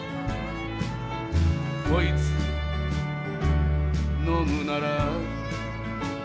「こいつ呑むなら」